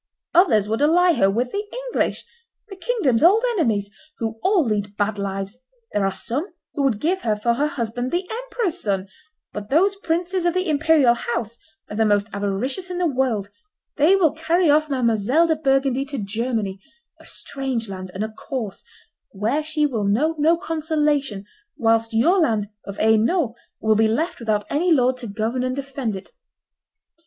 Others would ally her with the English, the kingdom's old enemies, who all lead bad lives: there are some who would give her for her husband the emperor's son, but those princes of the imperial house are the most avaricious in the world; they will carry off Mdlle. de Burgundy to Germany, a strange land and a coarse, where she will know no consolation, whilst your land of Hainault will be left without any lord to govern and defend it.